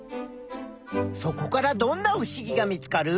そこからどんなふしぎが見つかる？